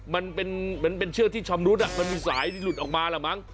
มันเป็นเชือกที่ชำรุดมันมีสายที่หลุดออกมาแล้วมั้ง